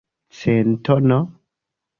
Centono?